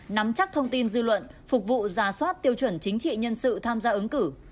nắm chắc thông tin dư luận phục vụ giả soát tiêu chuẩn chính trị nhân sự tham gia ứng cử